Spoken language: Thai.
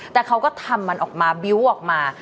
แต่เขาก็ทำมันออกมา